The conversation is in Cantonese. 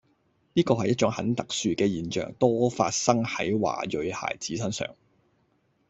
呢係一種很特殊嘅現象，多發生喺華裔孩子身上